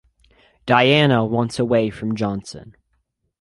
Diana wants away from Johnson.